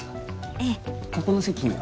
ええここの席には？